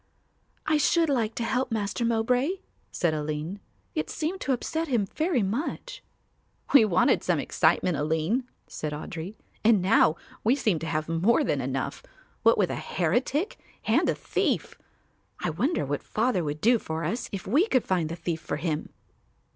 "I should like to help Master Mowbray," said Aline. "It seemed to upset him very much." "We wanted some excitement, Aline," said Audry, "and now we seem to have more than enough, what with a heretic and a thief. I wonder what Father would do for us if we could find the thief for him."